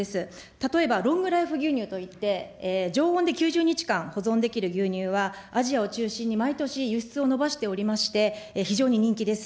例えばロングライフ牛乳といって、常温で９０日間、保存できる牛乳は、アジアを中心に毎年、輸出を伸ばしておりまして、非常に人気です。